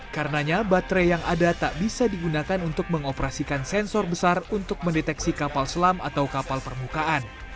karenanya baterai yang ada tak bisa digunakan untuk mengoperasikan sensor besar untuk mendeteksi kapal selam atau kapal permukaan